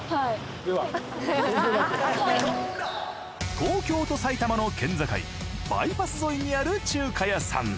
東京と埼玉の県境バイパス沿いにある中華屋さん。